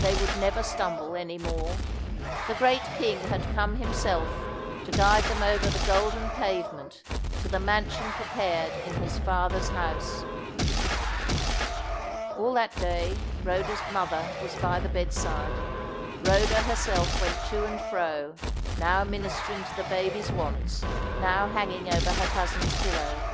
They would never stumble any more. The great King had come Himself to guide them over the golden pavement to the mansion prepared in His Father's house. All that day Rhoda's mother was by the bedside. Rhoda herself went to and fro, now ministering to the baby's wants, now hanging over her cousin's pillow.